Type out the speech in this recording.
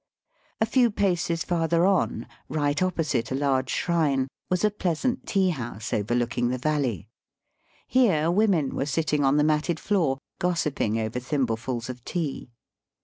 A few paces farther on, right opposite a large shrine, was a pleasant tea house, overlooking the valley. Here women were sitting on the matted floor, gossiping over thimblefuls of tea.